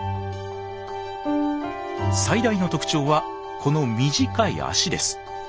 最大の特徴はこの短い脚です。